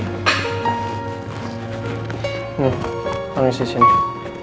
nih nangis di sini